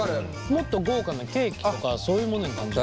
もっと豪華なケーキとかそういうものに感じる。